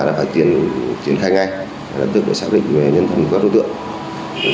đã phải triển khai ngay lập tức để xác định về nhân thần của các đối tượng